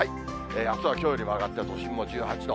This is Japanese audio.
あすはきょうよりも上がって都心も１８度。